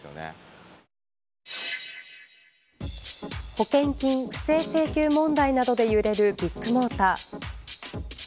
保険金不正請求問題などで揺れるビッグモーター。